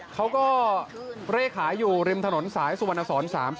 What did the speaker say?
เขาก็เลขขายอยู่ริมถนนสายสุวรรณสอน๓๐